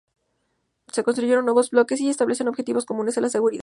Se construyen nuevos bloques y se establecen objetivos comunes con la Seguridad Social.